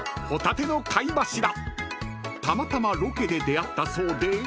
［たまたまロケで出合ったそうで］